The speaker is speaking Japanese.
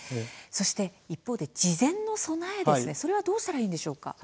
一方、事前の備えそれはどうしたらいいでしょうか。